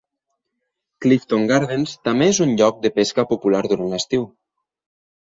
Clifton Gardens també és un lloc de pesca popular durant l'estiu.